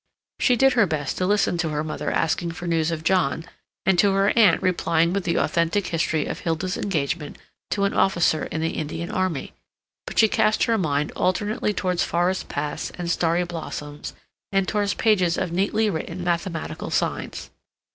She did her best to listen to her mother asking for news of John, and to her aunt replying with the authentic history of Hilda's engagement to an officer in the Indian Army, but she cast her mind alternately towards forest paths and starry blossoms, and towards pages of neatly written mathematical signs.